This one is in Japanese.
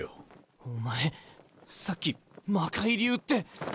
お前さっき「魔械流」って。